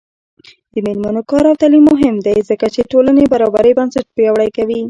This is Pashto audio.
د میرمنو کار او تعلیم مهم دی ځکه چې ټولنې برابرۍ بنسټ پیاوړی کوي.